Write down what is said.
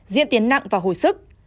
diễn tiến nặng và hồi sức